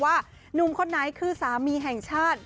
หนุ่มคนไหนคือสามีแห่งชาติ